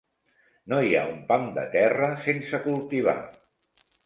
No hi ha un pam de terra sense cultivar.